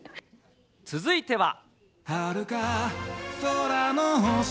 続いては。